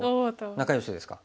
仲よしですか？